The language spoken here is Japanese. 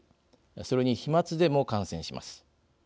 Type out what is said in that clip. それに飛まつでも感染します。